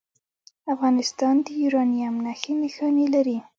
افغانستان د یورانیم نښې نښانې لري